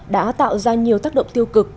đã tạo ra nhiều tác động tiêu cực